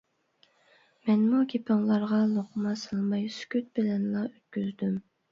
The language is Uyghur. مەنمۇ گېپىڭلارغا لوقما سالماي سۈكۈت بىلەنلا ئۆتكۈزدۈم.